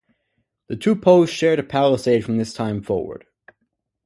The two posts shared a palisade from this time forward.